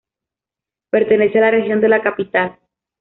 Pertenece a la Región de la Capital.